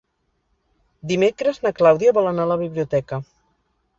Dimecres na Clàudia vol anar a la biblioteca.